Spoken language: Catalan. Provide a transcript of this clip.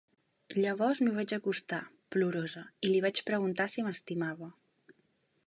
Llavors m'hi vaig acostar, plorosa, i li vaig preguntar si m'estimava.